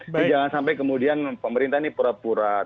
jadi jangan sampai kemudian pemerintah ini pura pura tidak menanggung